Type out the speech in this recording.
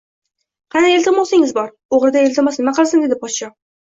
Qanday iltimosing bor, o‘g‘rida iltimos nima qilsin, debdi podsho